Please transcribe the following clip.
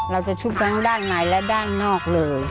ชุบทั้งด้านในและด้านนอกเลย